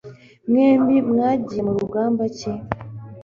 Mwembi mwagiye murugamba iki?